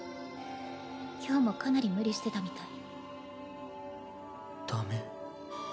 今日もかなり無理してたみたい。